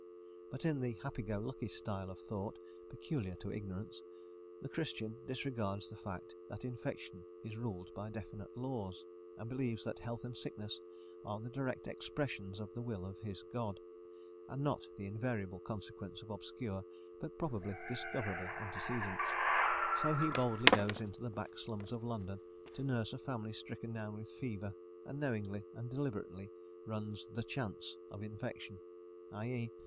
But in the "happy go lucky" style of thought peculiar to ignorance, the Christian disregards the fact that infection is ruled by definite laws, and believes that health and sickness are the direct expressions of the will of his God, and not the invariable consequence of obscure but probably discoverable antecedents; so he boldly goes into the back slums of London to nurse a family stricken down with fever, and knowingly and deliberately runs "the chance" of infection i e.